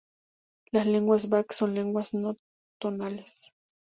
Las lenguas bak son lenguas no-tonales.